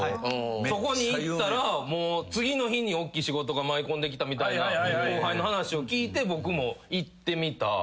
そこに行ったら次の日におっきい仕事が舞い込んできたみたいな後輩の話を聞いて僕も行ってみた。